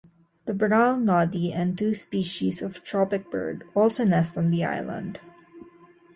The brown noddy and two species of tropicbird also nest on the island.